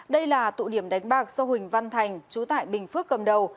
đây là tụ điểm đánh bạc do huỳnh văn thành chú tại bình phước cầm đầu